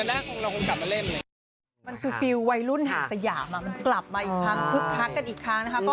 หรือยัง